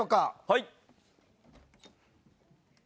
・はい。